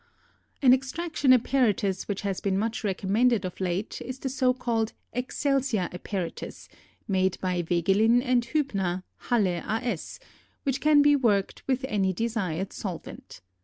An extraction apparatus which has been much recommended of late is the so called "Excelsior Apparatus" made by Wegelin and Huebner, Halle a. S., which can be worked with any desired solvent.